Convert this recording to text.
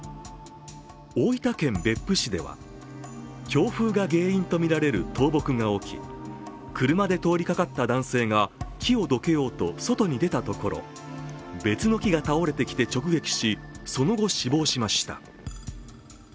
大分県別府市では、強風が原因とみられる倒木が起き、車で通りかかった男性が木をどけようと外に出たところ別の木が倒れてきて直撃し、その後死亡しました。